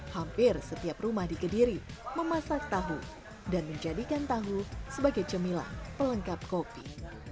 hampir setiap rumah di kediri memasak tahu dan menjadikan tahu sebagai cemilan pelengkap kopi